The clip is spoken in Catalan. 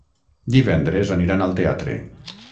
Divendres aniran al teatre.